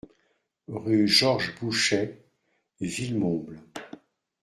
Rue Georges Bouchet, Villemomble